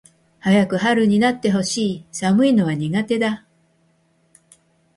早く春になって欲しい。寒いのは苦手だ。